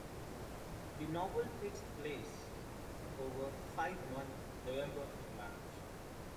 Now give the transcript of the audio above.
The novel takes place over five months, November to March.